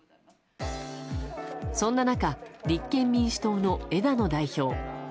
そんな中立憲民主党の枝野代表。